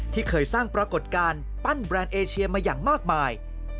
ที่เคยสร้างปรากฏการณ์ปั้นแบรนด์เอเชียมาอย่างมากมาย